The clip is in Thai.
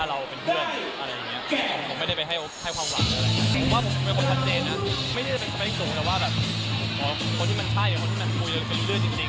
และก็แบบอยากจะเจอคนที่มันใช่จริงแล้วค่อยเปิดคุยจริง